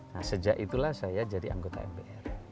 nah sejak itulah saya jadi anggota mpr